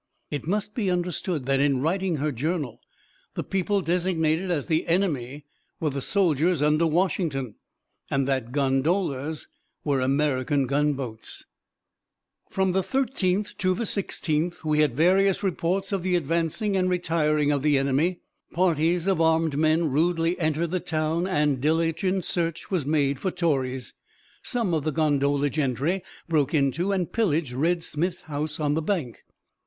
It must be understood that in writing her journal, the people designated as the "enemy" were the soldiers under Washington, and that "gondolas" were American gunboats. "From the 13th to the 16th we had various reports of the advancing and retiring of the enemy; parties of armed men rudely entered the town and diligent search was made for tories. Some of the gondola gentry broke into and pillaged Red Smith's house on the bank.